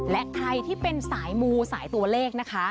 และใครที่เป็นสายมูสายตัวเลขนะคะ